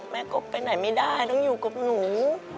กบไปไหนไม่ได้ต้องอยู่กับหนู